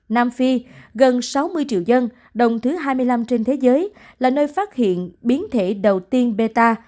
nam phi gần sáu mươi triệu dân đồng thứ hai mươi năm trên thế giới là nơi phát hiện biến thể đầu tiên beta